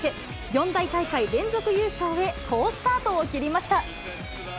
四大大会連続優勝へ、好スタートを切りました。